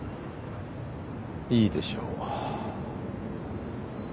いいでしょう。